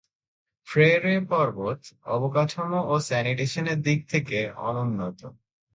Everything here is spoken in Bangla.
ফ্রেরে পর্বত অবকাঠামো ও স্যানিটেশনের দিক থেকে অনুন্নত।